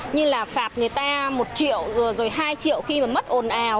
như là phạt người ta một triệu rồi hai triệu khi mà mất ồn ào